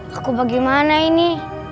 aku bagaimana ini